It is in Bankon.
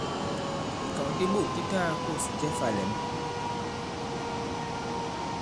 Ìkàw di bôt di ta-gā-kôs jɛ fā-lɛ̌n.